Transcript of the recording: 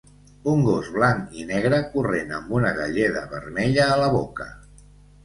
Un gos blanc i negre corrent amb una galleda vermella a la boca.